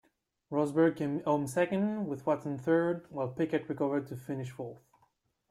Rosberg came home second with Watson third, while Piquet recovered to finish fourth.